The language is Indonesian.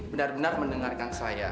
benar benar mendengarkan saya